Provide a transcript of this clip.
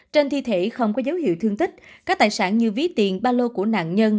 trên thi thể không có dấu hiệu thương tích các tài sản như ví tiền ba lô của nạn nhân